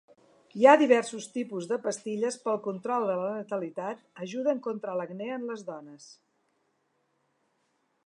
Hi ha diversos tipus de pastilles pel control de la natalitat ajuden contra l'acne en les dones.